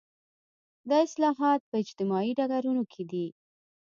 دا اصلاحات په اجتماعي ډګرونو کې دي.